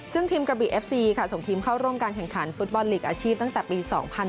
ซึ่งทีมกระบีเอฟซีค่ะส่งทีมเข้าร่วมการแข่งขันฟุตบอลลีกอาชีพตั้งแต่ปี๒๕๕๙